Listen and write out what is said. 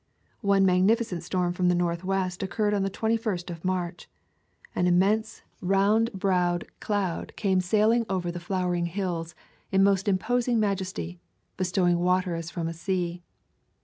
One magnificent storm from the northwest occurred on the 21st of March; an immense, round browed cloud came sail [ 205 ] A Thousand Mile W alk ing over the flowery hills in most imposing majesty, bestowing water as from a sea.